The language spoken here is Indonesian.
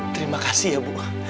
terima kasih ya bu